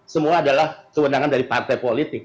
semua adalah kewenangan dari partai politik